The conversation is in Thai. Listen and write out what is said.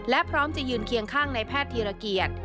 และพร้อมจะยืนเคียงข้างในแพทย์ธีรเกียจ